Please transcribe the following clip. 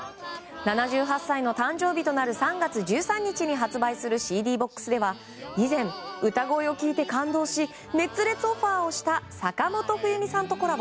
７８歳の誕生日となる３月１３日に発売するＣＤボックスでは以前、歌声を聴いて感動し熱烈オファーをした坂本冬美さんとコラボ。